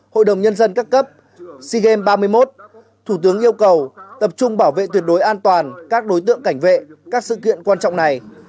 hội đồng nhân dân các cấp sea games ba mươi một thủ tướng yêu cầu tập trung bảo vệ tuyệt đối an toàn các đối tượng cảnh vệ các sự kiện quan trọng này